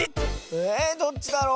えどっちだろう？